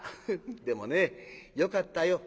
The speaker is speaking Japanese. でもねよかったよ」。